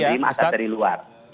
jadi di azikra tidak jadi ya ustaz